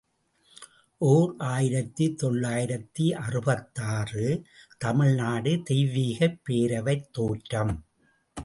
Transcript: ஓர் ஆயிரத்து தொள்ளாயிரத்து அறுபத்தாறு ● தமிழ்நாடு தெய்வீகப் பேரவைத் தோற்றம்.